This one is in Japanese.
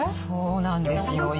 そうなんですよ。